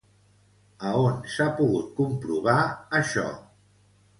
A on s'ha pogut comprovar això?